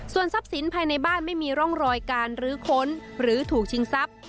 ส่วนทรัพย์สินภายในบ้านไม่มีร่องรอยการรื้อค้นหรือถูกชิงทรัพย์